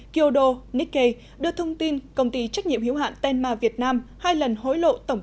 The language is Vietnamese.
kyodo nikkei đưa thông tin công ty trách nhiệm hiếu hạn tenma việt nam hai lần hối lộ tổng